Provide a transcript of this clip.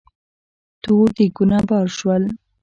تور دېګونه بار شول.